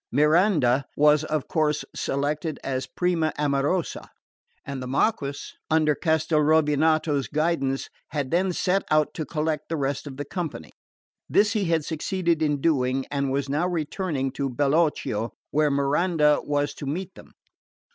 Miranda was of course selected as prima amorosa; and the Marquess, under Castelrovinato's guidance, had then set out to collect the rest of the company. This he had succeeded in doing, and was now returning to Bellocchio, where Miranda was to meet them.